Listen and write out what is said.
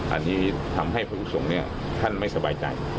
อันนี้ทำให้ผู้ผู้ชมท่านไม่สบายใจ